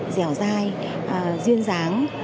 dẻo dai duyên dáng